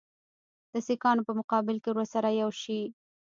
د سیکهانو په مقابل کې ورسره یو شي.